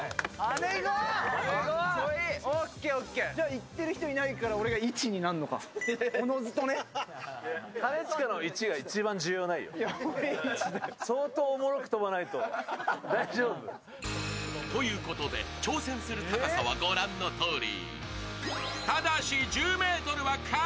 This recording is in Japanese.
いってる人いないから、俺が１になるのかということで、挑戦する高さはご覧のとおり。